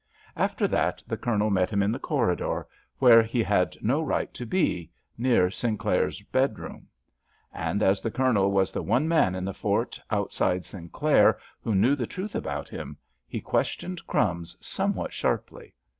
After that the Colonel met him in the corridor, where he had no right to be, near Sinclair's bedroom. And, as the Colonel was the one man in the fort, outside Sinclair, who knew the truth about him, he questioned "Crumbs" somewhat sharply.